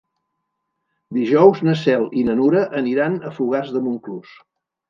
Dijous na Cel i na Nura aniran a Fogars de Montclús.